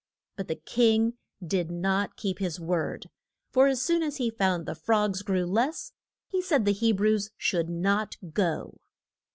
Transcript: But the king did not keep his word, for as soon as he found the frogs grew less, he said the He brews should not go.